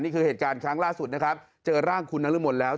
นี่คือเหตุการณ์ครั้งล่าสุดเจอร่างคุณน้ำละมนต์แล้ว